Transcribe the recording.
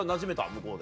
向こうで。